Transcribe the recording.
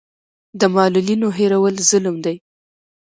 د معلولینو هېرول ظلم دی.